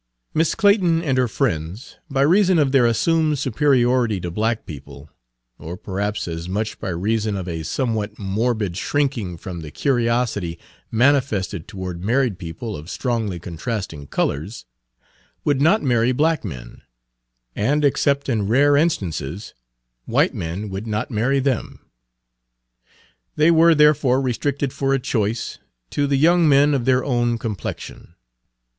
Miss Clayton and her friends, by reason of their assumed superiority to black people, or perhaps as much by reason of a somewhat morbid shrinking from the curiosity manifested toward married people of strongly contrasting colors, would not marry black men, and except in rare instances white Page 99 men would not marry them. They were therefore restricted for a choice to the young men of their own complexion.